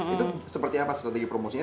itu seperti apa strategi promosinya